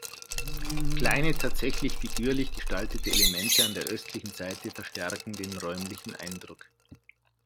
Kleine, tatsächlich figürlich gestaltete Elemente an der östlichen Seite verstärken den räumlichen Eindruck.